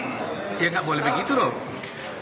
dia tidak boleh begitu dong